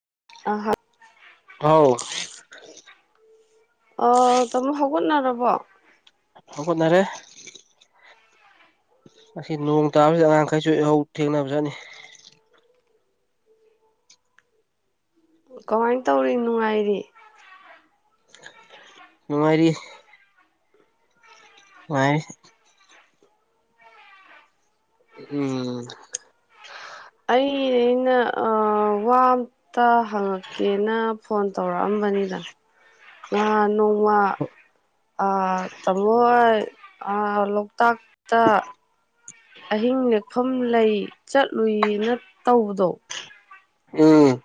[unintelligible] ꯍꯥꯎ ꯑꯣ ꯇꯃ ꯍꯒꯣꯟꯅꯔꯕꯣ ꯍꯧꯒꯠꯅꯔꯦ ꯑꯁꯤ ꯅꯣꯡ ꯇꯥꯕꯁꯤꯗ ꯑꯉꯥꯡꯈꯩꯁꯨ ꯏꯍꯧ ꯊꯦꯡꯅꯕ ꯆꯠꯅꯤ ꯀꯃꯥꯏꯟ ꯇꯧꯔꯤ ꯅꯨꯡꯉꯥꯏꯔꯤ ꯑ ꯃꯥꯔꯤ ꯃꯥꯏ ꯎꯝ ꯑꯩ ꯏꯩꯅ ꯑꯥ ꯋꯥ ꯇ ꯍꯪꯛꯀꯦꯅ ꯐꯣꯟ ꯇꯧꯔꯛꯑꯝꯕꯅꯤꯗꯥ ꯉꯍꯥ ꯅꯣꯡꯃ ꯇꯝꯃꯣꯣꯏ ꯑꯥ ꯂꯣꯛꯇꯥꯛꯇ ꯑꯍꯤꯡ ꯅꯦꯛꯐꯝ ꯂꯩ ꯆꯠꯂꯨꯏꯅꯥ ꯇꯧꯕꯗꯣ ꯎꯝ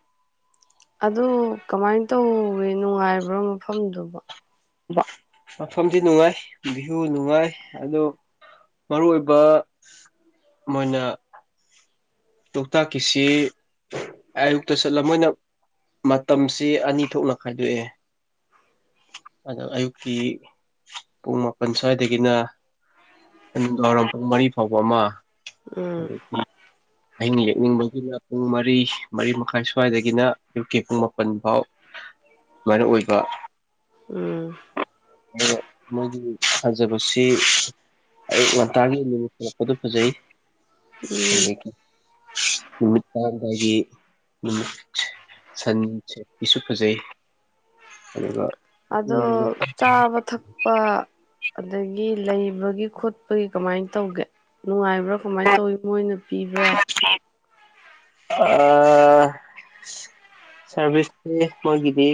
ꯑꯗꯨ ꯀꯃꯥꯏꯅ ꯇꯧꯋꯤ ꯅꯨꯡꯉꯥꯏꯕ꯭ꯔꯥ ꯃꯐꯝꯗꯨꯕ ꯃꯐꯝꯗꯤ ꯅꯨꯡꯉꯥꯏ ꯚꯤ꯭ꯌꯨ ꯅꯨꯡꯉꯥꯏ ꯑꯣ ꯃꯔꯨ ꯑꯣꯏꯕ ꯃꯣꯏꯅ ꯂꯣꯛꯇꯥꯛꯀꯤꯁꯤ ꯑꯌꯨꯛꯇ ꯆꯠꯂꯝ ꯃꯣꯏꯅ ꯃꯇꯝꯁꯤ ꯑꯅꯤ ꯊꯣꯛꯅ ꯈꯥꯏꯗꯣꯛꯑꯦ ꯑꯗꯣ ꯑꯌꯨꯛꯀꯤ ꯄꯨꯡ ꯃꯥꯄꯜ ꯁ꯭ꯋꯥꯏꯗꯒꯤꯅ ꯅꯨꯗꯥꯡꯋꯥꯏꯔꯝ ꯄꯨꯡ ꯃꯔꯤ ꯐꯥꯎꯕ ꯑꯃ ꯎꯝ ꯅꯤꯡꯕꯒꯤꯅ ꯄꯨꯡ ꯃꯔꯤ ꯃꯔꯤ ꯃꯈꯥꯏ ꯁ꯭ꯋꯥꯏꯗꯒꯤꯅ ꯑꯌꯨꯛꯀꯤ ꯄꯨꯡ ꯃꯥꯄꯟ ꯐꯥꯎ ꯑꯗꯨꯃꯥꯏꯨ ꯑꯣꯏꯕ ꯎꯝ ꯑꯩꯅ ꯃꯣꯏꯒꯤ ꯐꯖꯕꯁꯤ ꯑꯌ ꯉꯟꯇꯥꯒꯤꯂꯛꯄꯗꯣ ꯐꯖꯩ ꯎꯝ ꯅꯨꯃꯤꯠ ꯇꯗꯥꯏꯒꯤ ꯅꯨꯃꯤꯠ ꯁꯟ ꯁꯦꯄꯤꯁꯨ ꯐꯖꯩ ꯑꯗꯨꯒ ꯑꯗꯣ ꯆꯥꯕ ꯊꯛꯄ ꯑꯗꯒꯤ ꯂꯩꯕꯒꯤ ꯈꯣꯠꯄꯒꯤ ꯀꯃꯥꯏꯅ ꯇꯧꯒꯦ ꯅꯨꯡꯉꯥꯏꯕ꯭ꯔꯥ ꯀꯃꯥꯏꯅ ꯇꯧꯋꯤ ꯃꯣꯏꯅ ꯄꯤꯕ꯭ꯔꯥ ꯁꯥꯔꯚꯤꯁꯁꯦ ꯃꯣꯏꯒꯤꯗꯤ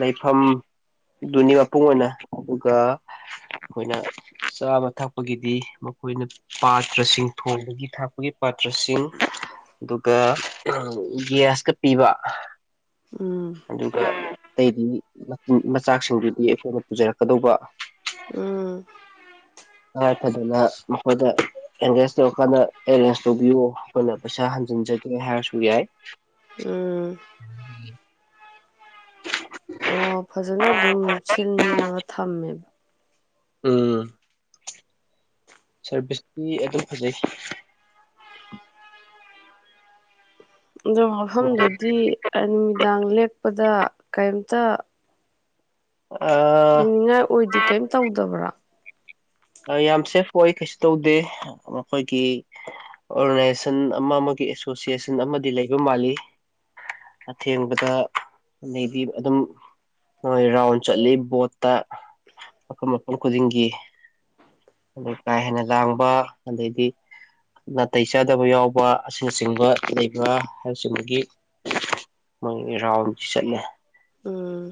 ꯂꯩꯐꯝꯗꯨꯅꯤ ꯃꯄꯨꯡ ꯑꯣꯏꯅ ꯑꯗꯨꯒ ꯑꯩꯈꯣꯏꯅ ꯆꯥꯕ ꯊꯛꯄꯒꯤꯗꯤ ꯃꯈꯣꯏꯅ ꯄꯥꯇ꯭ꯔꯁꯤꯡ ꯊꯣꯡꯕꯒꯤ ꯊꯥꯛꯄꯒꯤ ꯄꯥꯇ꯭ꯔꯁꯤꯡ ꯑꯗꯨꯒꯥ ꯒ꯭ꯌꯥꯁ ꯒꯥ ꯄꯤꯕꯥ꯫ ꯎꯝ ꯑꯗꯨꯒꯥ꯫ ꯑꯇꯩꯗꯤ ꯃꯆꯥꯛꯁꯤꯡꯗꯨꯗꯤ ꯑꯩꯈꯣꯏꯅ ꯄꯨꯖꯔꯛꯀꯗꯧꯕ ꯎꯝ ꯇꯉꯥꯏ ꯐꯗꯅ ꯃꯈꯣꯏꯗ ꯑꯦꯡꯒꯦꯖ ꯇꯧꯔꯀꯥꯟꯗ ꯑꯦꯔꯦꯟꯖ ꯇꯧꯕꯤꯌꯨ ꯑꯩꯈꯣꯏꯅ ꯄꯩꯁꯥ ꯍꯟꯖꯤꯟꯖꯗ꯭ꯔꯦ ꯍꯥꯏꯔꯁꯨ ꯌꯥꯏ ꯎꯝ ꯑꯣ ꯐꯖꯅ ꯑꯗꯨꯝ ꯁꯤꯜꯂꯒ ꯊꯝꯃꯦꯕ ꯎꯝ ꯁꯥꯔꯚꯤꯁꯇꯤ ꯑꯗꯨꯝ ꯐꯖꯩꯈꯤ ꯑ ꯃꯐꯝꯗꯨꯗꯤ ꯅꯨꯃꯤꯗꯥꯡ ꯂꯦꯛ ꯗ ꯀꯩꯝꯇ ꯀꯤꯅꯤꯡꯉꯥꯏ ꯑꯣꯏꯗꯦ ꯀꯩꯝ ꯇꯧꯗꯕ꯭ꯔꯥ ꯌꯥꯝ ꯁꯦꯐ ꯑꯣꯏ ꯀꯩꯁꯨ ꯇꯧꯗꯦ ꯃꯈꯣꯏꯒꯤ ꯑꯣꯔꯒꯅꯥꯏꯖꯦꯁꯟ ꯑꯃ ꯑꯃꯒꯤ ꯑꯦꯁꯣꯁꯤꯌꯦꯁꯟ ꯑꯃꯗꯤ ꯂꯩꯕ ꯃꯥꯜꯂꯤ ꯑꯊꯦꯡꯕꯗ ꯑꯗꯩꯗꯤ ꯑꯗꯨꯝ ꯅꯣꯏ ꯔꯥꯎꯟ ꯆꯠꯂꯤ ꯕꯣꯠꯇ ꯃꯐꯝꯐꯝ ꯃꯐꯝ ꯈꯨꯗꯤꯡꯒꯤ ꯑꯗꯩ ꯀꯥ ꯍꯦꯟꯅ ꯂꯥꯡꯕ ꯑꯗꯩꯗꯤ ꯅꯥꯇꯩ ꯆꯥꯗꯕ ꯌꯥꯎꯕ ꯑꯁꯤꯅꯆꯤꯡꯕ ꯂꯩꯕ ꯍꯥꯏꯕꯆꯤꯡꯕꯒꯤ ꯃꯣꯏꯒꯤ ꯔꯥꯎꯟꯁꯤ ꯆꯠꯂꯦ ꯎꯝ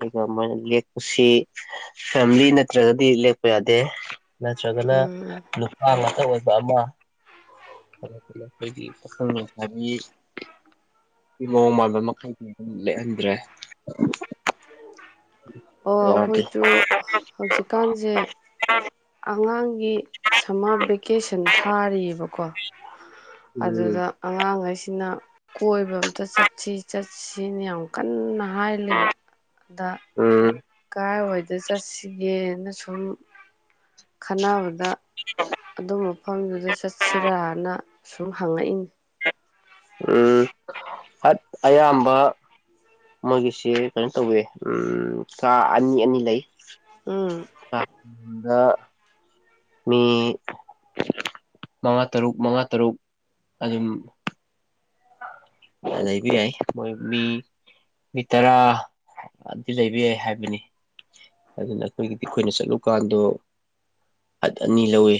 ꯑꯗꯨꯒ ꯃꯣꯏꯅ ꯂꯦꯛꯄꯁꯤ ꯐꯦꯃꯤꯂꯤ ꯅꯠꯇ꯭ꯔꯒꯗꯤ ꯂꯦꯛꯄ ꯌꯥꯗꯦ ꯅ ꯆꯒꯅ ꯎꯝ [inaudible] ꯑꯩꯈꯣꯏꯒꯤ ꯄꯥꯈꯪ ꯂꯩꯁꯥꯕꯤ ꯃꯑꯣꯡ ꯃꯥꯟꯕ ꯃꯈꯩꯗꯤ ꯑꯗꯨꯝ ꯂꯩꯦꯛꯍꯟꯗ꯭ꯔꯦ ꯑꯣ ꯑꯩꯈꯣꯏꯁꯨ ꯍꯧꯖꯤꯛꯀꯥꯟꯁꯦ ꯑꯉꯥꯡ ꯑꯩ ꯒꯤ ꯁꯝꯃꯔ ꯚꯦꯀꯦꯁꯟ ꯊꯥꯔꯤꯑꯕꯀꯣ ꯎꯝ ꯑꯗꯨꯗ ꯑꯉꯥꯡꯉ ꯁꯤꯅ ꯀꯣꯏꯕ ꯑꯝꯇ ꯆꯠꯁꯤ ꯆꯠꯁꯤꯅ ꯌꯥꯝ ꯀꯟꯅ ꯍꯥꯏ ꯂꯩꯕꯗ ꯎꯝ ꯀꯗꯥꯥꯏꯋꯥꯏꯗ ꯆꯠꯁꯤꯒꯦꯅ ꯁꯨꯝ ꯈꯟꯅꯕꯗ ꯑꯗꯨ ꯃꯐꯝꯗꯨꯗ ꯆꯠꯁꯤꯔꯅ ꯁꯨꯝ ꯍꯪꯉꯛꯏꯅꯤ ꯐꯠ ꯑꯌꯥꯝꯕ ꯃꯣꯏꯒꯤꯁꯦ ꯀꯩꯅꯣ ꯇꯧꯋ ꯀꯥ ꯑꯅꯤ ꯑꯅꯤ ꯂꯩ ꯎꯝ [inaudible] ꯃꯤ ꯃꯉꯥ ꯇꯔꯨꯛ ꯃꯉꯥ ꯇꯔꯨꯛ ꯑꯗꯨꯝ ꯂꯩꯕ ꯌꯥꯏ ꯃꯣꯏ ꯃꯤ ꯃꯤ ꯇꯔꯥ ꯂꯩꯕ ꯌꯥꯏ ꯍꯥꯏꯕꯅꯤ ꯑꯗꯨꯅ ꯑꯩꯈꯣꯏꯒꯤꯗꯤ ꯑꯩꯈꯣꯏꯅ ꯆꯠꯂꯨꯀꯥꯟꯗꯣ ꯑꯅꯤ ꯂꯧꯋꯤ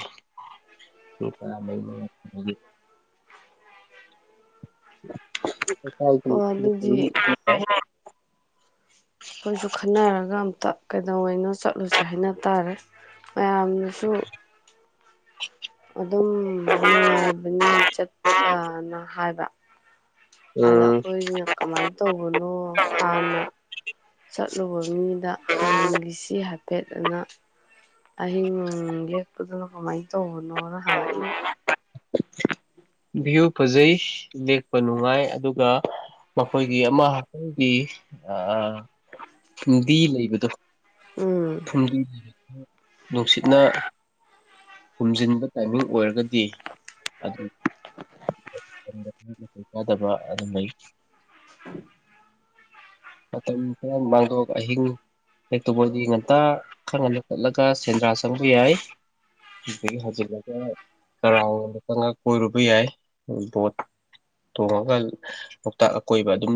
ꯑꯣ ꯑꯗꯨꯗꯤ [unintelligible] ꯥꯏ ꯑꯩꯈꯣꯏꯁꯨ ꯈꯟꯅꯔꯒ ꯑꯝꯇ ꯀꯩꯗꯧꯅꯣ ꯆꯠꯂꯨꯁꯦ ꯍꯥꯏꯅ ꯇꯥꯔꯦ ꯃꯌꯥꯝꯅꯁꯨ ꯑꯗꯨꯝ ꯅꯨꯡꯉꯥꯏꯕꯅꯤ ꯆꯠꯄꯗꯅ ꯍꯥꯏꯕ ꯑꯗ ꯎꯝ ꯑꯩꯈꯣꯏꯅ ꯀꯃꯥꯏꯅ ꯇꯧꯕꯅꯣ ꯍꯥꯟꯅ ꯆꯠꯂꯨꯕ ꯃꯤꯗ ꯍꯪꯈꯤꯁꯤ ꯁꯤ ꯍꯥꯏꯐꯦꯠ ꯑꯅ ꯑꯍꯤꯡ ꯂꯦꯛꯄꯗꯨꯅ ꯀꯃꯥꯏꯅ ꯇꯧꯕꯅꯣꯅ ꯍꯪꯉꯛꯏꯅꯤ ꯚ꯭ꯌꯨ ꯐꯖꯩ ꯂꯦꯛꯄ ꯅꯨꯡꯉꯥꯏ ꯑꯗꯨꯒ ꯃꯈꯣꯏꯒꯤ ꯑꯃ ꯍꯈꯣꯏꯒꯤꯗꯤ ꯂꯩꯕꯗꯣ ꯎꯝ [inaudible] ꯅꯨꯡꯁꯤꯠꯅ ꯍꯨꯝꯖꯤꯟꯕ ꯇꯥꯏꯃꯤꯡ ꯑꯣꯏꯔꯒꯗꯤ ꯑꯗꯨꯝ [inaudible] ꯆꯥꯗꯕ ꯑꯗꯨ ꯂꯩꯩ ꯃꯇꯝ ꯈꯔ ꯃꯥꯡꯗꯣꯛ ꯑꯍꯤꯡ ꯑꯦꯛꯇꯣꯕꯔꯗꯒꯤ ꯉꯇ ꯈꯪ ꯉꯟꯗ ꯆꯠꯂꯒ ꯁꯦꯟꯗ꯭ꯔꯥ ꯆꯪꯕ ꯌꯥꯏ ꯑꯗꯒꯤ ꯍꯧꯖꯤꯜꯂꯒ ꯀꯔꯥꯡꯣꯗ ꯈꯪꯉꯒ ꯀꯣꯏꯔꯨꯕ ꯌꯥꯏ ꯕꯣꯠ ꯊꯣꯡꯉꯒ ꯂꯣꯛꯇꯥꯛ ꯑꯀꯣꯏꯕ ꯑꯗꯨꯝ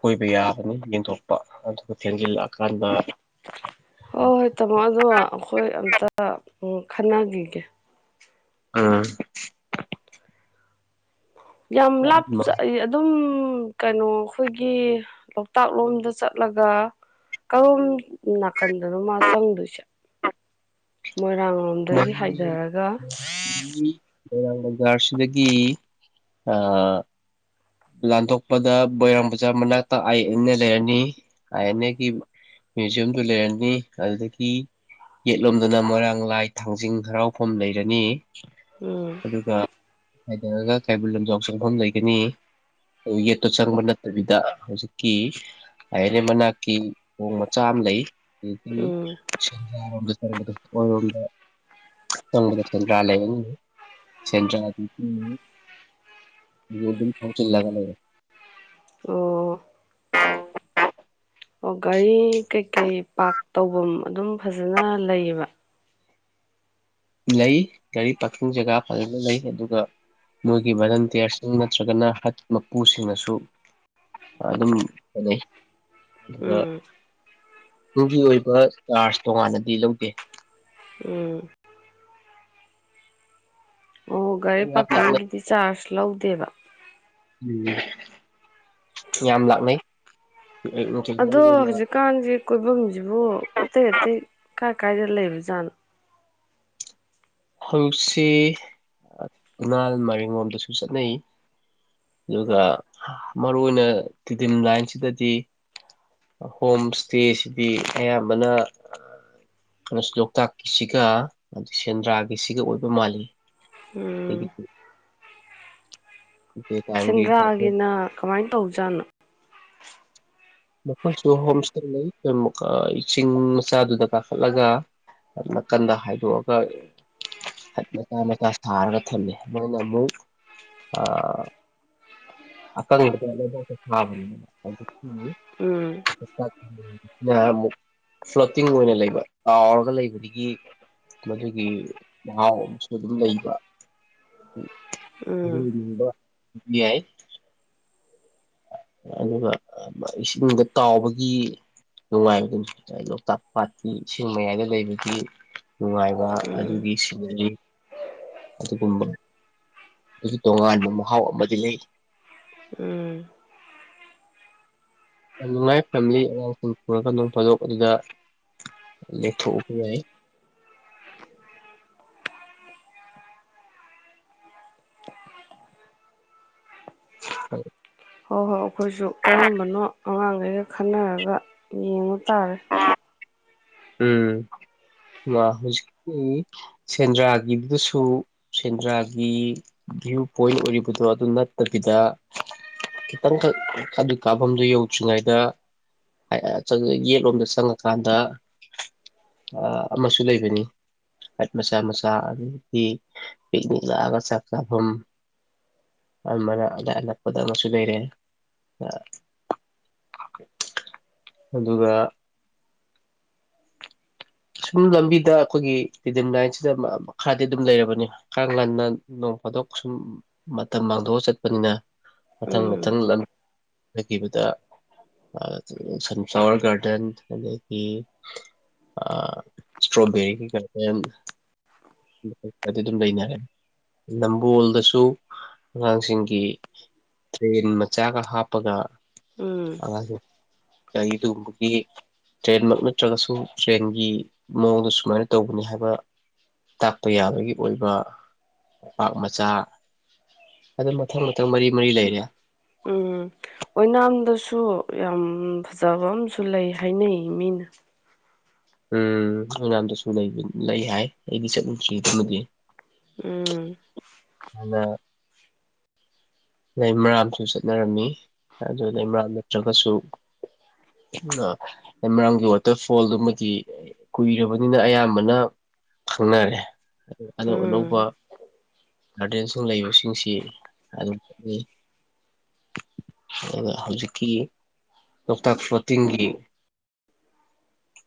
ꯀꯣꯏꯕ ꯌꯥꯕꯅꯤ ꯌꯦꯟꯊꯣꯛꯄ ꯑꯗꯨꯒ ꯊꯦꯡꯖꯤꯜꯂꯛꯑꯀꯥꯟꯗ ꯍꯣꯏ ꯍꯣꯏ ꯇꯥꯃꯣ ꯑꯗꯣ ꯑꯩꯈꯣꯏ ꯑꯝꯇ ꯑꯣ ꯈꯟꯅꯈꯤꯒꯦ ꯑꯥ ꯌꯥꯝ ꯂꯥꯞꯆ ꯑꯗꯨꯝ ꯎ ꯀꯩꯅꯣ ꯑꯩꯈꯣꯏꯒꯤ ꯂꯣꯛꯇꯥꯛ ꯂꯣꯝꯗ ꯆꯠꯂꯒ ꯀꯔꯣꯝ ꯅꯥꯀꯟꯗꯅꯣ ꯃꯥ ꯆꯪꯗꯣꯏꯁꯦ ꯃꯣꯏꯔꯥꯡ ꯂꯣꯝꯗꯒꯤ ꯍꯥꯏꯊꯔꯒ ꯃꯣꯏꯔꯥꯡ ꯕꯖꯥꯔꯁꯤꯗꯒꯤ ꯑ ꯂꯥꯟꯊꯣꯛꯄꯗ ꯃꯕꯣꯏꯔꯥꯡ ꯕꯖꯥꯔ ꯃꯅꯥꯛꯇ ꯑꯥꯏ ꯑꯦꯟ ꯑꯦ ꯂꯩꯔꯅꯤ ꯑꯥꯏ ꯑꯦꯟ ꯑꯦꯒꯤ ꯃ꯭ꯌꯨꯖꯤꯌꯝꯗꯨ ꯂꯩꯔꯅꯤ ꯑꯗꯨꯗꯒꯤ ꯌꯦꯠꯂꯣꯝꯗꯅ ꯃꯣꯏꯔꯥꯡ ꯂꯥꯏ ꯊꯥꯡꯖꯤꯡ ꯍꯔꯥꯎꯐꯝ ꯂꯩꯔꯅꯤ ꯎꯝ ꯑꯗꯨꯒ ꯆꯪꯉꯒ ꯀꯩꯕꯨꯜ ꯂꯝꯖꯥꯎ ꯆꯪꯐꯝ ꯂꯩꯒꯅꯤ ꯌꯦꯠꯇꯣ ꯆꯪꯕ ꯅꯠꯇꯕꯤꯗ ꯍꯧꯖꯤꯛꯀꯤ ꯑꯥꯏ ꯑꯦꯟ ꯑꯦ ꯃꯅꯥꯛꯀꯤ ꯊꯣꯡ ꯃꯆꯥ ꯑꯃ ꯂꯩ ꯑꯗꯨ ꯎꯝ ꯪꯕꯗ ꯑꯣꯏꯔꯣꯝꯗ ꯆꯪꯕꯗ ꯁꯦꯟꯗ꯭ꯔꯥ ꯂꯩꯕꯅꯤ ꯁꯦꯟꯗ꯭ꯔꯥꯝ ꯑꯣ ꯆꯜꯒ ꯑꯣ ꯒꯥꯔꯤ ꯀꯩꯀꯩ ꯄꯥꯔꯛ ꯇꯧꯐꯝ ꯑꯗꯨꯝ ꯐꯖꯅ ꯂꯩꯌꯦꯕ ꯂꯩ ꯒꯥꯔꯤ ꯄꯥꯔꯀꯤꯡ ꯖꯒꯥ ꯐꯖꯅ ꯂꯩ ꯑꯗꯨꯒ ꯅꯣꯏꯒꯤ ꯚꯔꯟꯇꯤꯌꯥꯔꯁꯤꯡ ꯅꯠꯇ꯭ꯔꯒꯅ ꯍꯠ ꯃꯄꯨꯁꯤꯡꯅꯁꯨ ꯑꯗꯨꯝ ꯐꯅꯩ ꯎꯝ ꯑꯗꯨꯒꯤ ꯑꯣꯏꯕ ꯆꯥꯔꯖ ꯇꯣꯉꯥꯟꯅꯗꯤ ꯂꯧꯗꯦ ꯎꯝ ꯑꯣ ꯒꯥꯔꯤ ꯌꯥꯝ ꯂꯥꯛꯅꯩ ꯄꯥꯔꯀꯤꯡꯒꯤꯗꯤ ꯆꯥꯔꯖ ꯂꯧꯗꯦꯕ ꯌꯥꯝ ꯂꯥꯛꯅꯩ ꯑꯌꯨꯛ ꯅꯨꯡꯊꯤꯜ ꯃꯔꯨ ꯑꯗꯣ ꯑꯣꯏꯅ ꯍꯧꯖꯤꯛꯀꯥꯟ ꯀꯣꯏꯐꯝꯁꯤꯕꯨ ꯑꯇꯩ ꯑꯇꯩ ꯀꯥꯏ ꯀꯥꯏꯗ ꯂꯩꯕ ꯖꯥꯠꯣ ꯍꯧꯖꯤꯛꯁꯤ ꯏꯍꯥꯜ ꯃꯔꯤꯡ ꯂꯣꯝꯗꯁꯨ ꯆꯠꯅꯩ ꯑꯗꯨꯒ ꯃꯔꯨ ꯑꯣꯏꯅ ꯇꯤꯗꯤꯝ ꯂꯥꯏꯟꯁꯤꯗꯗꯤ ꯍꯣꯝ ꯏꯁꯇꯦꯁꯤꯗꯤ ꯑꯌꯥꯝꯕꯅꯩꯅ ꯂꯣꯛꯇꯥꯛꯀꯤꯁꯤꯒ ꯑꯩ ꯁꯦꯟꯗ꯭ꯔꯥꯒꯤ ꯁꯤꯒꯤ ꯑꯣꯏꯕ ꯃꯥꯜꯂꯤ ꯎꯝ ꯑꯗꯒꯤꯗꯤ ꯗꯦ ꯇꯥꯏꯝꯒꯤ ꯒꯥꯔꯗꯦꯟ ꯁꯦꯟꯗ꯭ꯔꯥꯒꯤꯅ ꯀꯃꯥꯏꯅ ꯇꯧꯖꯥꯠꯅꯣ ꯃꯈꯣꯏꯁꯨ ꯍꯣꯝ ꯏꯁꯇꯦ ꯂꯩ ꯆꯤꯡ ꯃꯆꯥꯗꯨꯗ ꯀꯥꯈꯠꯂꯒ ꯅꯥꯀꯟꯗ ꯍꯥꯏꯗꯣꯛꯑꯒ ꯃ ꯃꯆꯥ ꯁꯥꯔꯒ ꯊꯝꯃꯦ ꯃꯣꯏꯅ ꯑꯃꯨꯛ ꯑꯀꯪꯕꯗ ꯂꯩꯕꯥꯛꯇ ꯁꯥꯕꯅꯤꯅ ꯎꯝ ꯑꯃꯨꯛ ꯐ꯭ꯂꯣꯇꯤꯡ ꯑꯣꯏꯅ ꯂꯩꯕ ꯇꯥꯎꯔꯒ ꯂꯩꯕꯗꯒꯤ ꯃꯗꯨꯒꯤ ꯃꯍꯥꯎ ꯑꯃꯁꯨ ꯑꯗꯨꯝ ꯂꯩꯕꯨꯕ ꯎꯝ ꯑꯗꯨ ꯌꯥꯏ ꯑꯗꯨꯒ ꯏꯁꯤꯡꯗ ꯀꯥꯎꯕꯒꯤ ꯅꯨꯡꯉꯥꯏꯕ ꯑꯗꯨꯝ ꯂꯣꯛꯇꯥꯛ ꯄꯥꯠꯀꯤ ꯏꯁꯤꯡ ꯃꯌꯥꯏꯗ ꯂꯩꯕꯒꯤ ꯅꯨꯡꯉꯥꯏꯕ ꯎꯝ ꯑꯗꯨꯒꯤ ꯁꯤꯅꯤ ꯑ ꯑꯗꯨ ꯀꯨꯝꯕ ꯑꯗꯨꯒꯤ ꯇꯣꯉꯥꯟꯕ ꯃꯍꯥꯎ ꯑꯃꯗꯤ ꯂꯩ ꯎꯝ ꯌꯥꯝ ꯅꯨꯡꯉꯥꯏ ꯐꯦꯃꯤꯂꯤ ꯑꯉꯥꯡꯁꯤꯡ ꯄꯨꯔꯒ ꯅꯣꯡ ꯐꯥꯗꯣꯛ ꯑꯗꯨꯗ ꯂꯦꯡꯊꯣꯛꯎ ꯌꯥꯏ ꯍ ꯍꯣꯏ ꯍꯣꯏ ꯑꯩꯈꯣꯏꯁꯨ ꯀꯔꯝꯕꯅꯣ ꯑꯉꯥꯡꯈꯩꯒ ꯈꯟꯅꯔꯒ ꯌꯦꯡꯉꯨ ꯇꯥꯔꯦ ꯎꯝ ꯍꯧꯖꯤꯛꯀꯤ ꯁꯦꯟꯗ꯭ꯔꯥꯒꯤꯗꯨꯗꯁꯨ ꯁꯦꯟꯗ꯭ꯔꯥꯒꯤ ꯚ꯭ꯌꯨ ꯄꯣꯏꯟ ꯑꯣꯏꯔꯤꯕꯗꯣ ꯑꯗꯨ ꯅꯠꯇꯕꯤꯗ ꯈꯤꯇꯪꯈꯛ ꯑꯗꯨ ꯀꯥꯞꯐꯝꯗꯨꯣ ꯌꯧꯗ꯭ꯔꯤꯉꯩꯗ ꯌꯦꯠꯂꯣꯝꯗ ꯆꯪꯉꯀꯥꯟꯗ ꯑꯃꯁꯨ ꯂꯩꯕꯅꯤ ꯍꯥꯏꯠ ꯃꯆꯥ ꯃꯆꯥ ꯑꯗꯒꯤ ꯄꯤꯛꯅꯤꯛ ꯂꯥꯛꯑꯒ ꯆꯥꯛ ꯆꯥꯐꯝ ꯑꯃꯅ ꯑ ꯑꯅꯛꯄꯗ ꯑꯃꯁꯨ ꯂꯩꯔꯦ ꯑꯗꯨꯒ ꯁꯨꯝ ꯂꯝꯕꯤꯗ ꯑꯩꯈꯣꯏꯒꯤ ꯇꯔꯤꯗꯤꯝ ꯂꯥꯏꯟꯁꯤꯗ ꯈꯔꯗꯤ ꯑꯗꯨꯝ ꯂꯩꯔꯕꯅꯤ ꯀꯥꯡ ꯍꯅ ꯅꯣꯡ ꯐꯥꯗꯣꯛ ꯁꯨꯝ ꯃꯇꯝ ꯃꯥꯡꯊꯣꯛꯑ ꯆꯠꯄꯅꯤꯅ ꯃꯊꯪ ꯎꯝ ꯃꯊꯪ ꯍꯥꯏꯈꯤꯕꯗ ꯁꯟꯐ꯭ꯂꯥꯋꯔ ꯒꯥꯔꯗꯦꯟ ꯑꯗꯒꯤ ꯏꯁꯇ꯭ꯔꯣꯕꯦꯔꯤꯒꯤ ꯒꯥꯔꯗꯦꯟꯗꯤ ꯑꯗꯨꯝ ꯂꯩꯅꯔꯦ ꯅꯝꯕꯣꯜꯗꯁꯨ ꯑꯉꯥꯡꯁꯤꯡꯒꯤ ꯇ꯭ꯔꯦꯟ ꯃꯆꯥꯒ ꯍꯥꯞꯄꯒ ꯎꯝ ꯒꯥꯔꯤ ꯑꯗꯨꯒꯨꯝꯕꯒꯤ ꯇ꯭ꯔꯦꯟꯃꯛ ꯅꯠꯇ꯭ꯔꯒꯁꯨ ꯇ꯭ꯔꯦꯟꯒꯤ ꯃꯑꯣꯡꯗ ꯁꯨꯃꯥꯏꯅ ꯇꯧꯕꯅꯤ ꯍꯥꯏꯕ ꯇꯥꯛꯄ ꯌꯥꯕꯒꯤ ꯑꯣꯏꯕꯄꯥꯛ ꯃꯆꯥ ꯑꯗꯨꯝ ꯃꯊꯪ ꯃꯊꯪ ꯃꯔꯤ ꯃꯔꯤ ꯂꯩꯔꯦ ꯎꯝ ꯑꯣꯏꯅꯥꯝꯗꯁꯨ ꯌꯥꯝ ꯐꯖꯕ ꯑꯃꯁꯝꯨ ꯂꯩ ꯍꯥꯏꯅꯩ ꯃꯤꯅ ꯎꯝ ꯃꯌꯥꯝꯗꯁꯨ ꯂꯩ ꯍꯥꯏ ꯑꯩꯗꯤ ꯆꯠꯂꯨꯗ꯭ꯔꯤꯗꯨꯃꯗꯤ ꯎꯝ ꯑꯗꯨꯅ ꯂꯩꯃꯔꯥꯝꯁꯨ ꯆꯠꯅꯔꯝꯃꯤ ꯑꯗꯨ ꯂꯩꯃꯔꯥꯝ ꯅꯠꯇ꯭ꯔꯒꯁꯨ ꯂꯩꯃꯔꯥꯝꯒꯤ ꯋꯥꯇꯔꯐꯣꯜꯗꯨꯃꯗꯤ ꯀꯨꯏꯔꯕꯅꯤꯅ ꯑꯌꯥꯝꯕꯅ ꯈꯪꯅꯔꯦ ꯑꯅꯧ ꯑꯅꯧꯕ ꯎꯝ ꯒꯥꯔꯗꯦꯟꯁꯤꯡ ꯂꯩꯕꯁꯤꯡꯁꯤ ꯑꯗꯨꯝ ꯆꯤ ꯑꯗꯨꯒ ꯍꯧꯖꯤꯛꯀꯤ ꯂꯣꯛꯇꯥꯛ ꯄ꯭ꯂꯣꯇꯤꯟꯒꯤ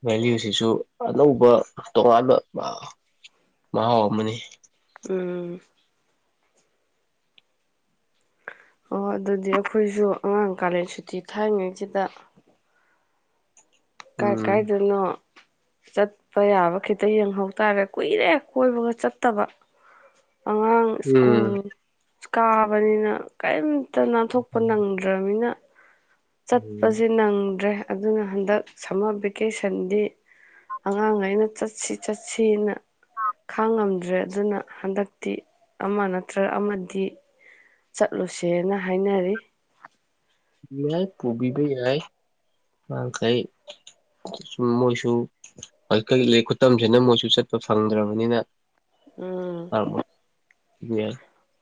ꯚꯦꯂꯨꯁꯤꯁꯨ ꯑꯅꯧꯕ ꯇꯣꯉꯥꯟꯕ ꯃꯍꯥꯎ ꯑꯃꯅꯤ ꯎꯝ ꯑꯣ ꯑꯗꯨꯗꯤ ꯑꯩꯈꯣꯏꯁꯨ ꯑꯉꯥꯡ ꯀꯥꯂꯦꯟ ꯁꯨꯇꯤ ꯊꯥꯏꯉꯩꯁꯤꯗ ꯀꯥꯏ ꯎꯝ ꯀꯥꯏꯗꯣꯏꯅꯣ ꯆꯠꯄ ꯌꯥꯕ ꯈꯤꯇ ꯌꯦꯡꯍꯧ ꯇꯥꯔꯦ ꯀꯨꯏꯔꯦ ꯀꯣꯏꯕꯒ ꯆꯠꯇꯕ ꯑꯉꯥꯡ ꯁ꯭ꯀꯨꯜ ꯎꯝ ꯀꯥꯕꯅꯤꯅ ꯀꯔꯤꯝ ꯇ ꯅꯥꯟꯊꯣꯛꯄ ꯅꯪꯗ꯭ꯔꯕꯅꯤꯅ ꯎꯝ ꯆꯠꯄꯁꯦ ꯅꯪꯗ꯭ꯔꯦ ꯑꯗꯨꯅ ꯍꯟꯗꯛ ꯁꯝꯃꯔ ꯚꯦꯀꯦꯁꯟꯗꯤ ꯑꯉꯥꯡꯈꯩꯅ ꯆꯠꯁꯤ ꯆꯠꯁꯤꯅ ꯈꯥꯡꯉꯝꯗ꯭ꯔꯦ ꯑꯗꯨꯅ ꯍꯟꯗꯛꯇꯤ ꯑꯃ ꯅꯠꯇ꯭ꯔꯒ ꯑꯃꯗꯤ ꯆꯠꯂꯨꯁꯦꯅ ꯍꯥꯏꯅꯔꯤ ꯌꯥꯏ ꯄꯨꯕꯤꯕ ꯌꯥꯏ ꯃꯥ ꯃꯈꯩ ꯁꯨꯝ ꯃꯣꯏꯁꯨ ꯍꯧꯖꯤꯛ ꯈꯨꯠꯇꯝꯁꯤꯅ ꯃꯣꯏꯁꯨ ꯆꯠꯄ ꯐꯪꯗ꯭ꯔꯕꯅꯤꯅ ꯎꯝ ꯌꯥꯏ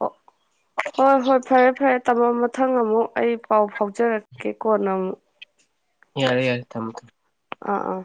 ꯑꯣ ꯍꯣꯏ ꯍꯣꯏ ꯐꯔꯦ ꯐꯔꯦ ꯇꯝꯃꯣ ꯃꯊꯪ ꯑꯃꯨꯛ ꯑꯩ ꯄꯥꯎ ꯐꯥꯎꯖꯔꯛꯀꯦ ꯀꯣꯟ ꯑꯃꯨꯛ ꯌꯥꯔꯦ ꯌꯥꯔꯦ ꯊꯝꯃꯦ ꯊꯝꯃꯦ ꯑꯥ ꯑꯥ